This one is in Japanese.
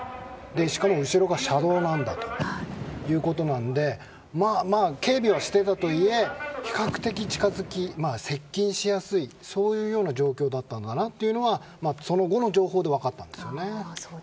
しかも後ろが車道なんだということなので警備はしていたとはいえ比較的接近しやすいそういう状況だったんだなというのがその後の情報で分かったんですよね。